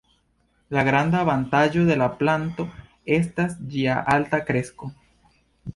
La granda avantaĝo de la planto estas ĝia alta kresko.